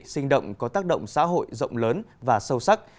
sinh động có tác động xã hội rộng lớn và sâu sắc